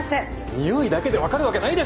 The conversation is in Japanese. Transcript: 匂いだけで分かるわけないでしょ。